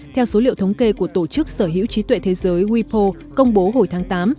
theo số liệu thống kê của tổ chức sở hữu trí tuệ thế giới wipo công bố hồi tháng tám